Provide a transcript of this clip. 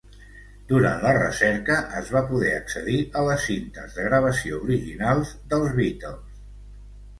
Durant la recerca, es va poder accedir a les cintes de gravació originals dels Beatles.